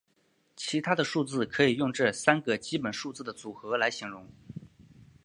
其他的数字可以用这三个基本数字的组合来形容。